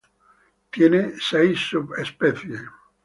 Tiene seis subespecies.